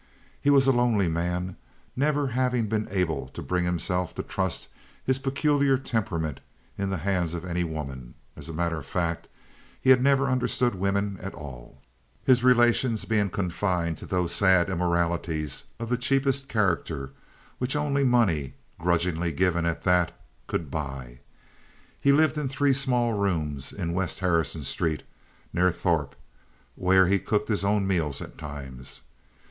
He was a lonely man, never having been able to bring himself to trust his peculiar temperament in the hands of any woman. As a matter of fact, he had never understood women at all, his relations being confined to those sad immoralities of the cheapest character which only money—grudgingly given, at that—could buy. He lived in three small rooms in West Harrison Street, near Throup, where he cooked his own meals at times.